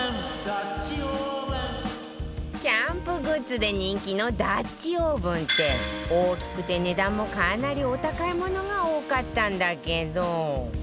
キャンプグッズで人気のダッチオーブンって大きくて値段もかなりお高いものが多かったんだけど